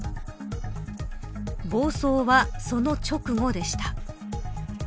暴走はその直後でした。